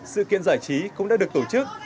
sự kiện giải trí cũng đã được tổ chức